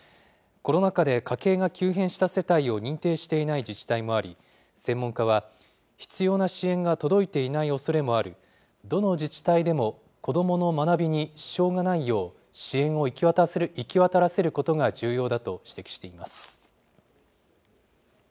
コロナ禍で家計が急変した世帯を認定していない自治体もあり、専門家は、必要な支援が届いていないおそれもあり、どの自治体でも子どもの学びに支障がないよう、支援を行き渡らせることが重要だと指摘しています。